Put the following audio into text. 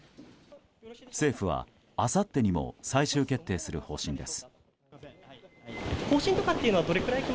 政府は、あさってにも最終決定する方針です。